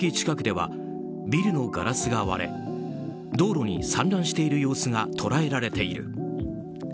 近くではビルのガラスが割れ道路に散乱している様子が捉えられている。